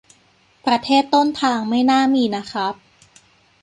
ประเทศต้นทางไม่น่ามีนะครับ